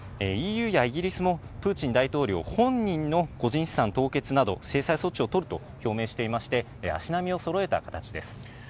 ＥＵやイギリスも、プーチン大統領本人の個人資産凍結など、制裁措置を取ると表明していまして、足並みをそろえた形です。